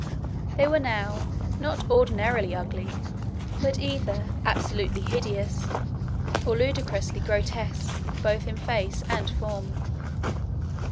They were now, not ordinarily ugly, but either absolutely hideous, or ludicrously grotesque both in face and form.